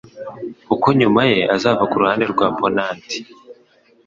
kuko nyuma ye azava kuruhande rwa ponant